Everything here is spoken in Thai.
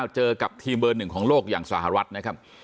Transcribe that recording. เจอกับทีมเบอร์หนึ่งของโลกอย่างสหรัฐนะครับ